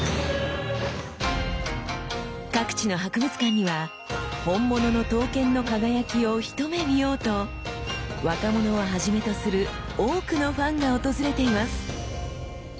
各地の博物館には本物の刀剣の輝きを一目見ようと若者をはじめとする多くのファンが訪れています。